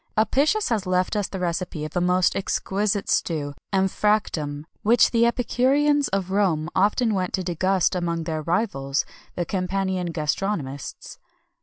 Apicius has left us the recipe of a most exquisite stew, emphractum, which the epicureans of Rome often went to degust among their rivals, the Campanian gastronomists.